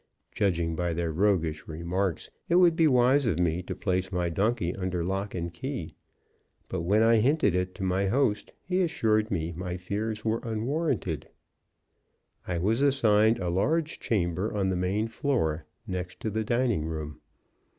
Judging by their roguish remarks, it would be wise of me to place my donkey under lock and key; but when I hinted it to my host, he assured me my fears were unwarranted. I was assigned a large chamber on the main floor, next to the dining room.